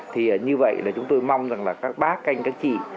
thì như vậy là chúng tôi mong rằng là các bác anh các chị